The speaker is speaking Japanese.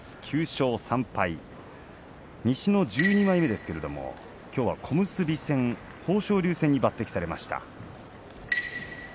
９勝３敗西の１２枚目ですけれどきょうは小結戦豊昇龍戦に抜てきされました。